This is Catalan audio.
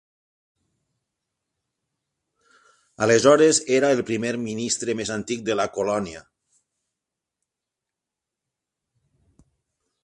Aleshores, era el primer ministre més antic de la colònia.